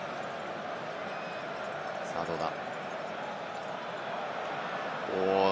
さぁ、どうだ？